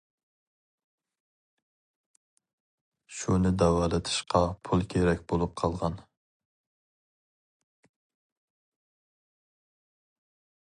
شۇنى داۋالىتىشقا پۇل كېرەك بولۇپ قالغان.